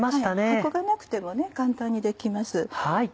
箱がなくても簡単にできます。